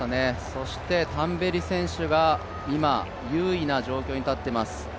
そして、タンベリ選手が今、優位な状況に立っています。